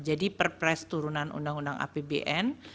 jadi perpres turunan undang undang apbn